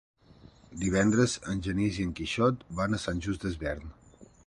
Divendres en Genís i en Quixot van a Sant Just Desvern.